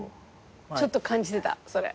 ちょっと感じてたそれ。